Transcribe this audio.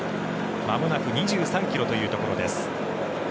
まもなく２３ｋｍというところです。